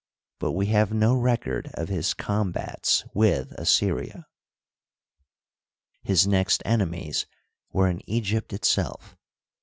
125 but we have no record of his combats with Assjrria. His next enemies were in Egypt itself.